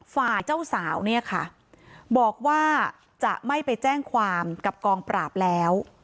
ฝ่ายเจ้าสาวเนี่ยค่ะบอกว่าจะไม่ไปแจ้งความกับกองปราบแล้ว